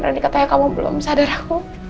berani katanya kamu belum sadar aku